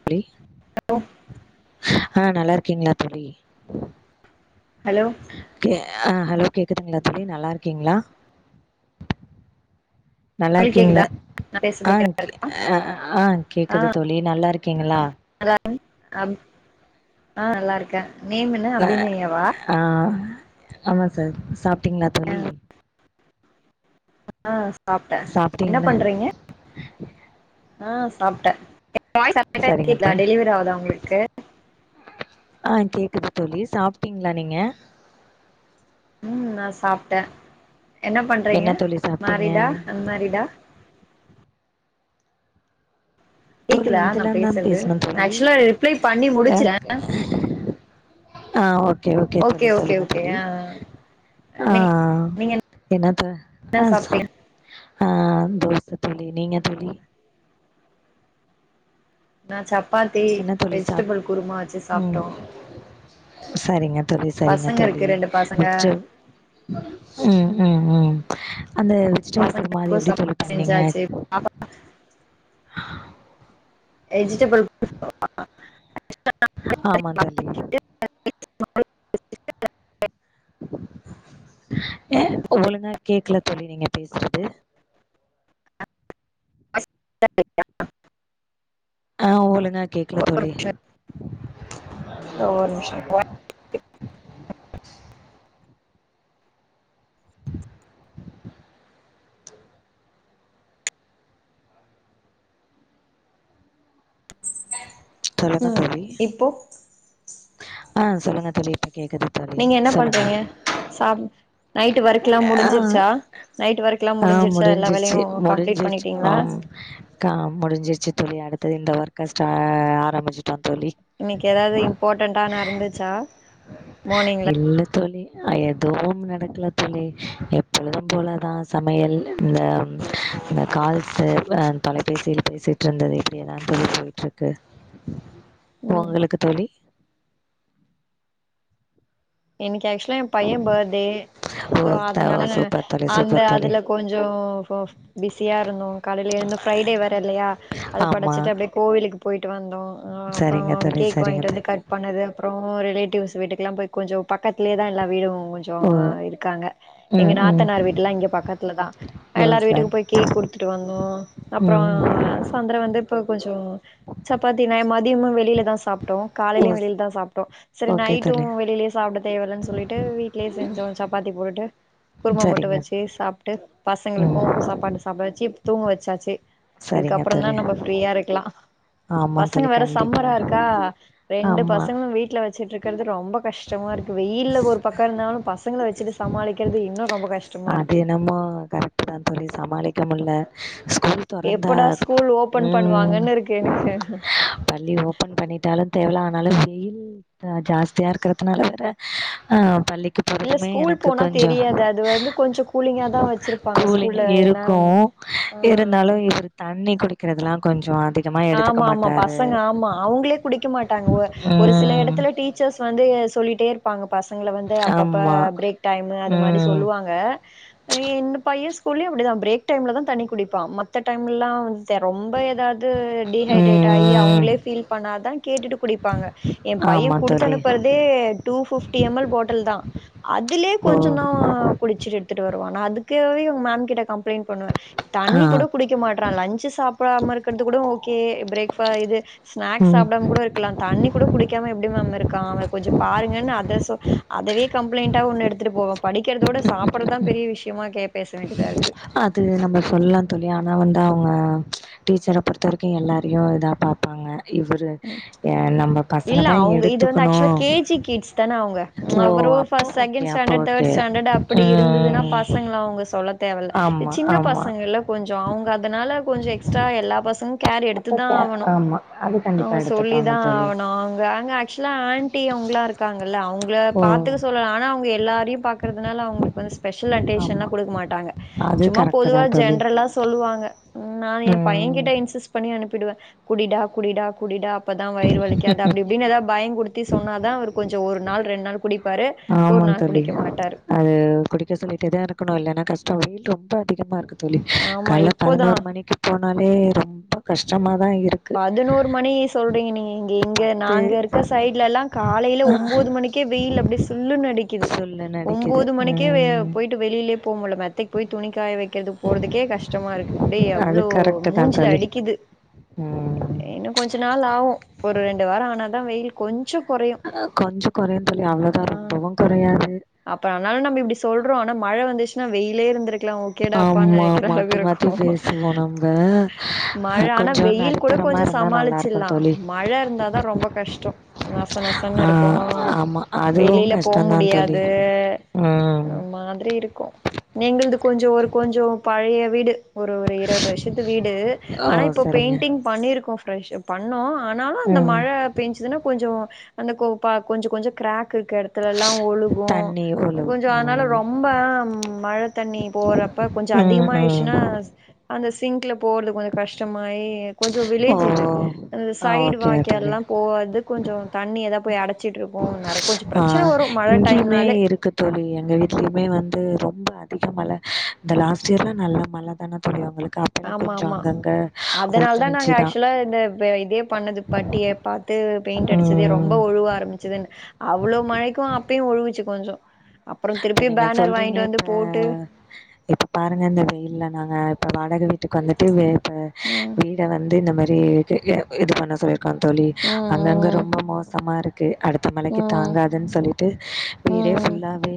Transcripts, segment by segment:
ஃப்ளி hello ஆ நல்லா இருக்கீங்களா தோழி ஹலோ அ ஹலோ கேக்குதுங்களா தோழி நல்லா இருக்கீங்களா நல்லா உங்களுக்கு இருக்கீங்ளா கேக்குதா நா பேசுறது ஆ கே அ ஆ கேக்குது தோழி நல்லா இரு கீங்களா அ அப் ஆ நல்லா இருக்கே நேம் என்ன ஆ அபிநயாவா ஆ ஆமா சார் சாப் ட்டீங்களா தோழி அ ஆ சாப்டே என்ன சாப்ட்டீங்களா பண்றீங்க ஆ சாப்டே ஏ வாய்ஸ் [inaudible] சரிங்க கேக்குதா த டெலிவரி ஆவுதா உங்களுக்கு ஆ கேக்குது தோழி சாப்டீங்களா நீங்க ம் நா சாப்டே என்ன பண்றீங்க தோழி சாப்ட்டீங்க ஃமேரிடா அன்ஃமேரிடா தோழி கேக்குதா நா இதெல்லா தா பேசுறது பேசணு நா தோழி ஆக்சுவலா ரிப்ளை பண்ணி ஆ முடிச்சுறே ஆ ஓக் ஓகே ஓகே தோழி சொல்லுங்க தோழி ஆ ஆ நீ நீங்க என்னத்த என்ன ஆ சொ சாப்ட்டீங்க அ தோழி [unintelligible] நீங்க தோழி நா சாப் சப்பாத்தி என்ன தோழி சாப் வெஜிடபிள் குருமா வச்சு சாப்டோ சரிங்கத் தோழி சரிங்க தோழி ரெண்டு பசங்க வச்சு உம் உம் உம் அந்த வெஜிடேபிள் குருமாறு பசங்களுக்கு எப்புடி தோழி சமையல் பண்ணீங்க செஞ்சாச்சு பாப்பா வெஜிடபிள் [inaudible] ஆமாந் தல்லி [inaudible] ஏ ஒழுங்கா கேக்கல தோழி நீங்க பேசுறது ஆ ஒலுங்கா ஒரு நிமிஷோ இருங் இந்தா ஒரு நிமிஷோ இருங்க [inaudible] சொல்லுங்க உம் தோழி இப்போ ஆ சொல்லுங்க தோழி கேக்குது தோழி நீங்க என்ன சொல்லுங்க பண்றீங்க சாப் நைட்டு ஒர்க்லா ஆ முடிஞ்சிருச்சா நைட் ஒர்க்லா ஆ முடிஞ்சிருச்சா எல்லா முடிஞ்சிருச்சு வேலையு கம்ப்ளீட் முடிஞ்சிருச்சு பண்ணிட்டீங்களா ஆம் கா முடிஞ்சிருச்சு தோழி அடுத்தது இந்த ஒர்க்க ஸ்டா ஆரம்பிச்சிட்டோம் தோழி இன்னைக்கு ஏதாது போட்டடான்னு நடந்துச்சா மார்னிங்ல இல்ல தோழி எதுவும் நடக்கல தோழி எப்பொழுதும் போலாதான் சமையல் இந்த இந்த கால்ஸ் தொலைபேசியில் பேசிட்டு இருந்தது இப்பிடியேதான் தோழி போயிட்டு இருக்கு ம் உங்களுக்கு தோழி எனக்கு ஆக்ஸ் யேன் பையன் பர்த்டே ஓ சோ த ஓ அதனால சூப்பர் தோழி அந்த சூப்பர் தோழி. அதுல கொஞ்சோம் பிஸியா இருந்தோம் காலையில எழுந்து ஃப்ரைடே வேற இல்லையா அது ஆமா. படைச்சிட்டு அப்பிடியே கோவிலுக்கு போயிட்டு வந் லோ ஆஹ் அப்றோம் சரிங்க அவன் தோழி கேக் சரிங்க வாங்கிட்டு தோ வந்து கட் பண்ணது அப்றோம் ரிலேட்டிவ்ஸ் வீட்டுக்கு எல்லாம் போய் கொஞ்சம் பக்கத்துலேயே தா எல்லா வீடும் கொஞ்சம் ஓ இருக்காங்க எங்க ம் ம். நாத்தனார் வீட்டு எல்லாம் இங்க பக்கத்துல தான் ஓ எல்லார் சரி வீட்டுக்கு போய் கேக் கொடுத்துட்டு வந்தோம் ம் அப்றோம் ம். சொந்திரம் வந்து இப்ப கொஞ்சோம் சப்பாத்தி நா மதியமும் வெளியில தான் சாப் ட்டோம் ஓ காலையிலும் ஸ் வெளியில தான் சாப்ட்டோம் சரி ஓகே தோழி. நைட்டும் வெளியிலே சாப்ட தேவையில்லைன்னு சொல்லிட்டு வீட்லேயே செஞ்சோம் சப்பாத்தி போட்டுட்டு குருமா முட்ட சரிங்க. வச்சு சாப்ட்டு ம். பசங்களுக்கும் சாப்பாடு சாப்ட வச்சி தூங்க வெச்சாச்சு சரிங்க இதுக்கப்றன்னா தோழி. நம்ம ஃப்ரீயா இருக்கலா ஆமா பசங்க தோழி வேற கண்டிப்பா. சம்மரா இருக்கா ரெண்டு ஆமா. பசங்களு வீட்ல வச்சிட்ருக்கறது ரொம்ப கஷ் டமாருக்கு வெயில்ல ஒரு பக்கோ இருந்தாலு பசங்கள வச் சிட்டு சமாளிக்கறது இன்னு ரொம்ப கஷ்டமா அது இருக்கு என்னமோ கரெக்ட்டு தா தோழி சமாளிக்க முட்ல ஸ்கூல் தொறந்தா எப்படா [inaudible] ஸ்கூல் ஓபன் ம் பண்ணுவாங்கன்னு இருக்கு எனக்கு பள்ளி ஓபன் பண்ணிட்டாலு தேவலான் நல்ல வெயில் அ ஜாஸ்தியா இருக்கறதுனால ஆஹ் பள்ளி இல்ல ஸ்கூல் போனா தெரியாது அ அது வந்து கொஞ்ச கூலிங்கா தா வச்சிருப்பாங்க கூலிங் ஸ்கூல்ல ஏனா இருக்கு ஆ இருந்தாலு இவரு தண்ணி குடிக்கிறதுலா கொஞ்சோ அதிகமா எடுத்துக்க ஆமா ஆமா மாட்டாரு பசங்க ஆமா அவுங்களே குடிக்க மாட்டாங்க ஒ ஒரு சில ம் எடத்துல டீச்சர்ஸ் வந்து சொல்லிட்டே இருப் பாங்கப் பசங்கள வந்து அப்பப்ப ஆமா பிரேக் டைம் அது மாரி ம் சொல்லுவாங்க என் ப ஸ்கூல்லையு அப்டிதா பிரேக் டைம்ல தா தண்ணி குடிப்பா மத்த டைம்ல லா ரொம்ப ஏதாவது து டீ ஹைட்ரேட் ஆயி ம் அவங்களே பீல் பண்ணாதா கேட்டுட்டு குடிப்பாங்க எ பைய ஆமா குடுத்து தோழி அனுப்புறதே டூ பிஃப்ட்டி எம் எல் பாட்டில்தா அதிலே ஓ கொஞ்ச தா குடிச்சிட்டு எடுத்துட்டு வரு [unintelligible] அதுக்கவேயே மேம் கிட்ட கம் ப்ளைன்ட் பண்ணுவ தண்ணி ஆ கூட குடிக்க மாட்றா லஞ்சு சாப்பிடாம இருக் க்றது கூட ஓக்கே பிரேக் ஃப் இது ஸ்நாக்ஸ் ம் சாப்பிடாம கூட இருக்கலா தண்ணி கூட குடிக்காம எப்டி மேம் இருக்கான் அவ கொஞ்ச பாருங்கன்னு அத சொ அதவே கம்ப்ளைண்டா ஒன்னு எடுத்துட்டு போவ படிக்கிறதோட சாப்பிடறதுதா பெரிய விஷயமா கேப் அது நம்ம சொல்லா தோழி ஆனா வந்து அவங்க டீச்சரை பொறுத்த வரைக்கு எல்லாரையு இதா பாப்பாங்க இவரு ய நம்ம பசங்க இல்ல தா அவங்க இது வந்து எடுத்துக்கணு ஆக்சுவலா கேஜி கிட்ஸ் தான அவங்க ஓ அவரு அப்போ ஃபஸ் ஓகே செகண்ட் அப்போ ஸ்டாண்டர்ட் தேர்ட் ஓகே ஸ்டாண்டர்ட் அப்டி இருந்துன்னா ம் பசங்கள அவங்க தேவல்ல ஆமா சின்ன ஆமா பசங்கல்ல கொஞ்சோ அவங்க அதனால கொஞ்ச எக்ஸ்ட்ரா எல்லா பசங்கல கேர் அப்ப எடுத்துதா கே ஆவனு ஆமா அது கண்டிப்பா அவங்க சொல்லி எடுத்துப்பாங்க தா தோழி ஆவனு அவங்க அங்க ஆக்சுவலா ஆன்டி அவங்களா இருக்காங்கல்ல அவங்கள ஓ பாத்துக்க சொல்லலா ஆனா அவங்க எல்லாரையு பாக்கறதுனால அவங்களுக்கு வந்து ஸ்பெஷல் ஆமா அட்டென்ஷன் குடுக் ட்டாங்க அது சும்மா கரெக்ட்டு பொதுவா தா தோழி ஜென்ரலா சொல்லுவாங்க ம் நா என் பைய ம் கிட்ட இன்சிஸ் பண்ணி அனுப் பிடுவே குடிடா குடி டா குடி டா அப்பதா வயிறு வலி அப்டி இப்டின்னு எதாவ் பய குடுத்தி சொன்னாதா அவரு கொஞ்சோ ஒரு நாள் ரெண்டு நாள் குடிப் ஆமா தோழி அது குடிக்க சொல்லிட்டேதா இருக்கணு இல்லன்னா கஷ்ட வெயில் ரொம்ப அதி கமா இருக்கு தோழி ஆமா கால்ல இப்போதா பதினோரு மணிக்கு போ னாலே ரொம்ப கஷ்டமா தான் இருக்கு. பதினோரு மணி சொல்றீங்க நீங்க இங்க இங்க நாங்க இருக்க சைட்லலா காலைல ஒம்போது மணிக்கே வெயில் அப்டி சு ல்லுனு அடிக்குது சுல்லுன்னு அடிக்குது. ஒம்போது மணிக்கே வெ ம் போயிட்டு வெளியிலயே போ முடில மெத்தைக்கு போய் துணிக்காய வைக் க்கிறது போறதுக்கே கஷ்டமா இருக்கு அப்டி அது அவ்ளோ கரெக்ட்டு தான் மூஞ்சுல தோழி. அடிக்குது ம் இன்னு கொஞ்ச நாள் ஆவு ஒரு ரெண்டு வாரம் ஆனாதா வெயில் கொஞ் சோ கொறையு அ கொஞ்சம் கொறையும் தோழி அ அவ்ளோதான் ரொம்பவும் கொறையாது. அப்றம் ஆனாலு நம்ம இப்டி சொல்றோ ஆனா மழ வந்துச் னா வெயிலே இருந்துரு ஆமா மாத்தி மாத்தி பேசுவோ நம்ப மழ ஆனா கொஞ்சம் நடு வெயில் கூட கொஞ்சம் சமாளிச்சலா மழ இருந்தாதா ரொம்ப கஷ்டம் நச நசன்னு ஆ இருக்கு ஆமா அதுவும் வெளில போ கஷ்டந்தான் தோழி. முடியாது ம். ஒரு மாதிரி இருக்கு நீங்க வந்து கொஞ்சோ ஒரு கொஞ்சோ பழைய வீடு ஒரு ஒரு இருவது வருஷத்து வீடு ஓ ஆனா இப்போ சரிங்க பெயிண்ட் பண்ணி இருக்கோ ஃபிரஷ் பண்ணோ ஆனாலு அந்த ம் மழ பெஞ்சுதுன்னா கொஞ்சோ அந்தக் கோப்பா கொஞ்ச கொஞ்ச க்ரா க்கு இருக்க எடத்துலலா ஒழுகும் தண்ணி ஒழு கொஞ்சோ அதனால ம் ரொம்ப மழத்தண்ணி போறப்ப கொஞ்சம் ம் ம் அதிகமாயிடுச்சுனா அந்த சிங்க்கல போறது கொஞ்ச கஷ்டமாயி கொஞ்சோ ஓ வில்லேஜ் இது அ ஆ சைடு ஓகே தோழி வாக்கையலாம் போவாது கொஞ்சம் தண்ணி எதா போய் அட ஆ இங்கயுமே டைம்னாலே இருக்கு தோழி எங்க வீட்லயுமே வந்து ரொம்ப அதிக மழ இந்த லாஸ்ட் இயர்ல நல்ல மழ தான தோழி உங்களுக் ஆமா ஆமா அதனால தா நாங்க ஊத்துனுச்சுதா ஆக்சுவலா இந்த இத இதே பண்ணது பட்டிய பாத்து பெயிண்ட் அடிச்சதே ரொம்ப ம் ஒழுவ ஆரம்பிச்சதுன்னு அவ்ளோ மழைக்கு அப்பயு ஒழுவுச்சு கொஞ்சோ அப்புறோ இப்ப திருப்பி நீங்க பேனர் சொல்றீங்க வாங்கிட்டு வந்து இப்ப போட்டு இப்ப பாருங்க இந்த வெயில்ல நாங்க இப்ப வாடக வீட்டுக்கு வந்துட்டு வே இப்ப ம் வீட வந்து நம்ம சேரி இது பண்ண சொல்லி க்கா தோழி அங்கங்க ம் ரொம்ப மோசமா இருக் து அடுத்த ம் மழைக்கி ம் தாங்காதுன்னு சொல்லிட்டு வீடே ம் ஃபுல்லா ஏ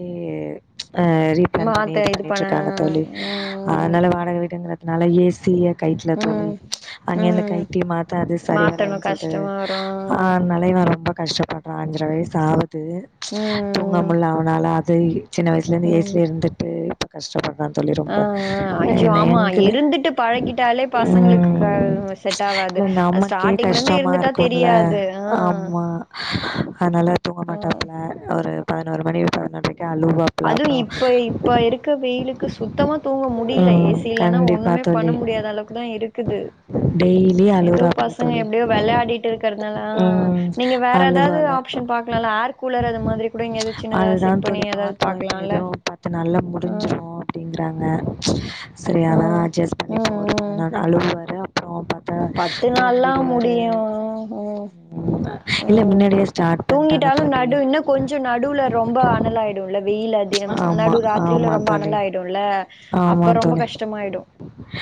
அ ரீப்ளான் பண்ணி மாத்த இது பண்ண பண்ணிட்டுருக்காங்க தோழி, ம் அதனால வாடக வீடுங்கற அதனால ஏ சி-ய கைத்ல ம் தோழி அங்க இருந்து ம் கைத்ல மாத்தா அது சரி மாத்தணு வராதுன் சொல்ட்டு கஷ்டமா வரு ஆ அனால இவன் ரொம்ப கஷ்டப்படுறான் அஞ்சர வயசு ஆவு து ம் தூங்கமுல்ல அவனால டெய்லி சின்ன வயிஸ்லந்து ஏ சி ம் லே இருந்துட்டு [inaudible] கஷ்ட்டப பாத்தாலே ஆ ரொம்ப ஆ ஐயோ என்ன ஆமா எங்குளு இருந்துட்டு பழகிட்டாலே பசங்களுக்கு க ம் செட் ஆவாது இல்ல அது நமக்கே ஸ்டார்டிங்ல இருந்து கஷ்ட்டமா இருந்துட்டா இருக்குல்ல தெரியாது ஆ ஆம்மா அத்னால தூங்க ஆ மாட்டாப்ல ஒரு பதுனொரு மணி பதுனொன்ரைக் அதுவு இப்போ இப்ப இருக்க வெயிலுக்கு சுத்தமா தூங்க முடியில ம் ஏசி இல்லன்னா கண்டிப்பா ஒன்னுமே பண்ண தோழி முடியாத் அளவுக் தா இருக்குது டெய்லி எதோ அழுவுறாப்புல பசங்க தோழி எப்டியோ வெளாடிட்டு இர்க்கற்துனலா ம் நீங்க வேற எதாது அழுவால ஆப்ஷன் பாக்லால ஏர் கூலரு அது மாதுரி கூட இங்க எது சின்னதா செட் பண்ணி ஏதாவ்து இதுவு பத்து நாள்ல முடிஞ்சுரு அப்டிங்கிறாங்க சரி ஆ அதா அட்ஜஸ் ம் பண்ணிப்போ ஒரு ம் பதனாலு நாளுதான பத்து நாள்லா முடியு ம் இல்ல ம் மின்னாடியே ஸ்டார்ட் பண்ட்டாங்க தூங்கிட்டாலு தோழி நடு இன்னு கொஞ்சோ நடுவுல ரொம்ப அனலாயிடு வெயில் அதிகம் ஆமா நடு ராத்திரில ஆமா ரொம்ப தோழி அனலாயிடுல்ல ஆமா அப்ப ரொம்ப தோழி கஷ்டமாயிடு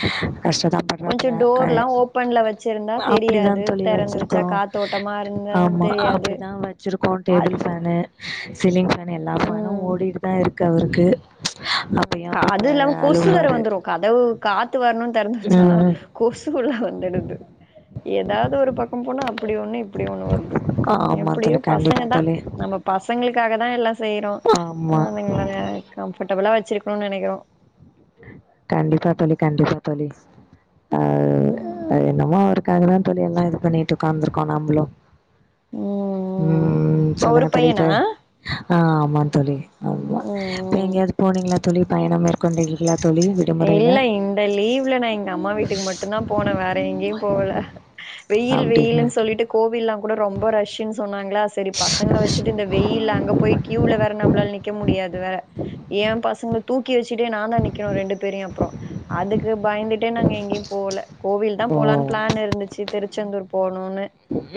ம் கஷ்டதா கொஞ்சோ பட்றாப்புல அ டோர்லா ஓப்பன்ல வச்சிருந்தா அப்டிதா தெரியாது தோழி தெறந்து வெச்சா வச்சிருக்கோ காத்தோட்டமா ஆமா தெரியாது அப்படிதா வச்சிருக்கோ அ டேபிள் ஃபேனு சிலிங் ஃபேன் எல்லா ஃபேனுமே ஓடிட்டுதா இருக் கு அவுருக்கு ம் க அது இல்லாம கொசு வேற அழுவாரு வந்துரு கதவு காத்து வரணுன் தெறந்து வெச்சா ம் கொசு உள்ள வந்துடுது எதாவுது ஒரு பக்கம் போனா அப்டி ஒண்ணு இப்டி ஒண்ணு வருது ஆமா எப்டியோ தோழி பசங்க கண்டிப்பா தா தோழி நம்ம பசங்ளுக்காகதா எல்லா செய்யறோ ஆமா அதுங்கள கம் உள வச்சிருக்கோணு நெனைக்கிறோ கண்டிப்பா தோழி கண்டிப்பா தோழி ஆ ஆ என்னமோ இருக் துக்காக தா தோழி எல்லா இது பண்ணிட்டு உக்காந்துருக்கோ நம்பளும் ம் ம் ஒரு சொல்லுங்க தோழி பையனா இப்பவே ஆ அமா தோழி அவ்வா ம் ம் எங்கேயாவது போனீங்களா தோழி பயணம் இருக் கொண்டைங்க்ளாப் இல்ல இந்த லீவ்ல நான் எங்க அம்மா வீட்டுக்கு மட்டும் தா போன வேற எங்கேயும் போகல வெயில் அப்டிங்களா வெயில்ன்னு சொல்லிட்டு கோவில்ல்லாம் கூட ரொம்ப ரஷ்ன்னு சொன்னாங் ங்களா செரி பசங்கள வச்சுட்டு இந்த வெயில்ல அங்க போயி க்யூல வேற நம்பளால நிக் க்க முடியாது வேற ஏன் பசங்க தூக்கி வச்சுட்டே நானு நிக்கனு ரெண்டு தெரியும் அப்பறோ அதுக்கு பயந்துட் ட்டே நாங்க எங்கேயும் போல கோவில் தா போலான்னு ஓ பிளான் இருந்துச்சு திருச்செந்தூர் போனு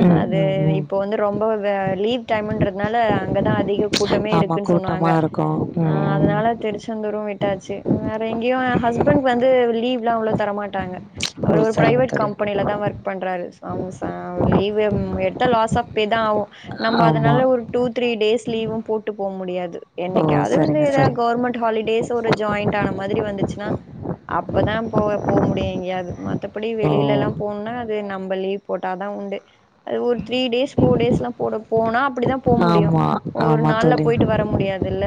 ம் அது ம் ம் இப்ப வந்து ரொம்ப வே லீவ் டைம்ன்றதுனால அங்கதா அதிக கூட்டமே ஆமா இருக்குன் கூட்டமா சொன்னாங்க இருக்கு ஆஹ் ம் அதுனால திருச்செந்தூரு விட்டாச்சு ம் அ எங்கேயு எ ஹஸ்பண்ட்க்கு வந்து லீவ் லா அவ்ளோ தரமாட்டாங்க அவரு ஓ ஒரு சரிங்க ப்ரைவேட் தோழி கம்பெனில தா ஒர்க் பண்றாரு ஸம சா அவரு லீவ்வெம் எடுத்தா லாஸ் ஆஃப் பே தா ஆகு நம்ம ஆமா அதனால ஒரு டூ த்ரீ டேஸ் லீவு போட்டு போ முடியாது ஓ என்னைக்காவ்து வந்து சரிங்க எதா சரிங்க கௌர்மெண்ட் ஹாலிடேஸ் ஒரு ஜாய்ண்ட் ஆன மாதிரி வந்துச்சுனா அப்பதா போவ போ முடியு எங்கயாது மத்தபடி ஓ வெளிலலா போனுனா து நம்ப லீவ் போட்டாதா உண்டு அது ஒரு த்ரீ டேஸ் ஃபோர் டேஸ்லா போட போனாப் அப்டிதா போ முடியு ஆமா ஒரு ஆமா நாள்ல தோழி போயிட்டு வர முடியாதுல்ல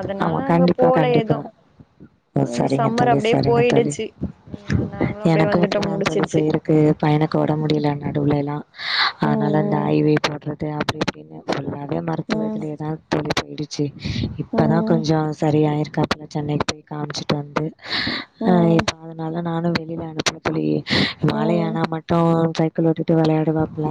அதுனால ஆமா அங்க கண்டிப்பா போல எது கண்டிப்பா ஓ இவ சரிங்க சம்மர் தோழி அப்டியே சரிங்க தோழி போயிடுச்சு ம் நாங்களு அப்டியே எனக்கு வந்துட்டோ இப்டிதா தோழி முடிச்சிருச்சு போயிருக்கு பையனுக்கு ஒடம் முடியல நடுவ்லேலா அதுனால அந்த ம் ஐ வி போட்றது அப்டிஇப்டினு சொல்லுங்க தே ம் மருத்துவத்திலேதா தோழி சொல்லிற் இப்பதா ம் கொஞ்சோ சரியாயிருக்கா பதா சென்னைக்கு போய் காம்ச்சுட்டு வந்து ம் ஆஹ் ம் இப்ப அதனால நானு வீட் இல்ல அது [unintelligible] புளி ம் ம் மாலையானா மட்டு சைட் கண்ண ஊத்திவிட்டு வெளையாடுவா இல்ல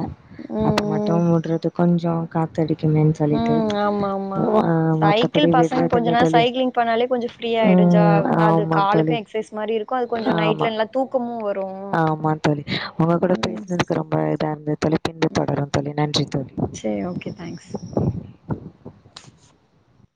அப்ப ம் மட்டு ம் விட்றது கொஞ்சோ காத்தடி இல்லன் சொல்லிட்டு ம் ஆமா ஆமா ஆஹ் சைக்கிள் மத்தபடி பசங்க கொஞ்ச விட்றதில்ல நேரோ தோழி சைக்கிளிங் பண்ணாலே கொஞ்சோ ஃப்ரீ ஆயிடு ஜா உம் அது ஆமாங் காலுக்கு தோழி எக்சைஸ் மாரி இருக்கு அது கொஞ்சோ ஆமா நைட்ல நல்லா தூக்கமு வரு ஆமாங் தோழி ஒங்க கூட ம் பேசுனதுக்கு ரொம்ப இதா இருந்து தொழைப்பின்றி தொடருவோ தோழி நன்றி சேரி ஓகே தேங்க்ஸ்